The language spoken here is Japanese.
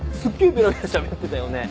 ベラベラしゃべってたよね？